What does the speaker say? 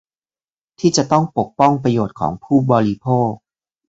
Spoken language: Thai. ที่จะต้องปกป้องประโยชน์ของผู้บริโภค